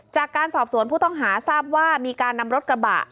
จากการสอบสวนผู้ต้องหาทราบว่ามีการนำรถกระบะ